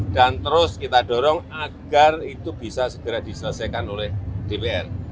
dan terus kita dorong agar itu bisa segera diselesaikan oleh dpr